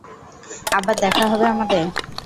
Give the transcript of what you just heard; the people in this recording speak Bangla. আবার দেখা হবে আমাদের?